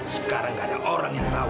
sekarang gak ada orang yang tahu